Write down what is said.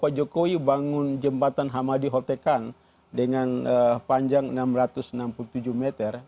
pak jokowi bangun jembatan hamadi hotekan dengan panjang enam ratus enam puluh tujuh meter